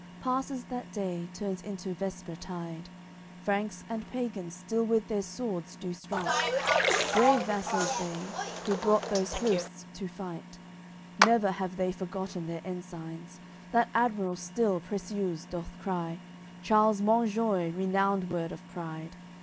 AOI. CCLVIII Passes that day, turns into vesper tide. Franks and pagans still with their swords do strike. Brave vassals they, who brought those hosts to fight, Never have they forgotten their ensigns; That admiral still "Preciuse" doth cry, Charles "Monjoie," renowned word of pride.